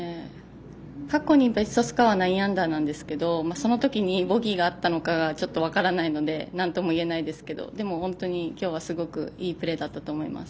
過去のベストスコア９アンダーなんですけどその時にボギーがあったのかが分からないのでなんともいえないですけど今日はすごくいいプレーだったと思います。